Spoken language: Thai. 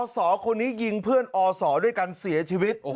สอคนนี้ยิงเพื่อนอศด้วยกันเสียชีวิต